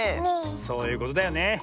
そういうことだよね。